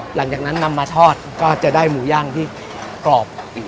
หลังจากนั้นนำมาทอดก็จะได้หมูย่างที่กรอบอีก